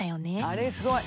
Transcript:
あれすごい。